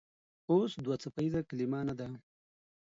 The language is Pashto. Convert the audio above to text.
اوس دوه څپیزه کلمه نه ده.